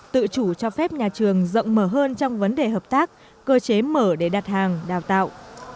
tự chủ cho phép nhà trường rộng mở hơn trong vấn đề hợp tác cơ chế mở để đặt hàng đào tạo